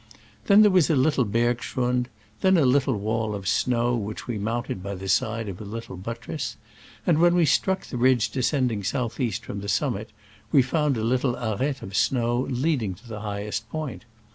Then there was a htde bergschrund ; then a little wall of snow, which we mounted by the side of a little buttress; and when we struck the ridge descending south east from the summit, we found a little arete of snow leading to the highest point.